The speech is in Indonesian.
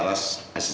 terima kasih pak